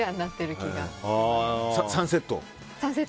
３セット？